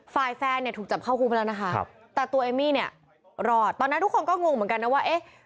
ฟายแฟนถูกจับเข้าคู่ไปแล้วนะคะแต่ตัวเอมมี่รอดตอนนั้นทุกคนก็งงเหมือนกันนะว่า